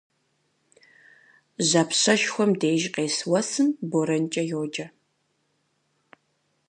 Жьапщэшхуэм деж къес уэсым борэнкӏэ йоджэ.